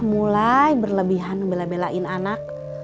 mulai berlebihan bela belain anak